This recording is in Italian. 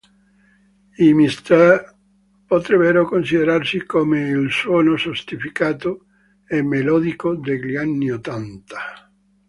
I Mr. Mister potrebbero considerarsi come il suono sofisticato e melodico degli anni ottanta.